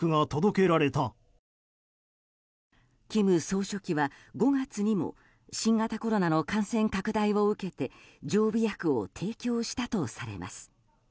金総書記は５月にも新型コロナの感染拡大を受けて常備薬を提供したとされます。